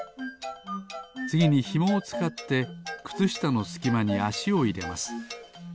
つぎにひもをつかってくつしたのすきまにあしをいれます。